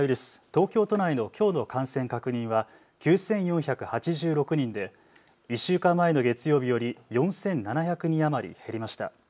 東京都内のきょうの感染確認は９４８６人で１週間前の月曜日より４７００人余り減りました。